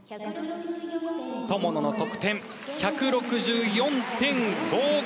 友野の得点１６４．５５。